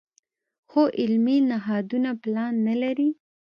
خو علمي نهادونه پلان نه لري.